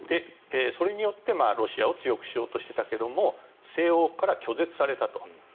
それによってロシアを強くしようとしていたけど西欧から拒絶されたと。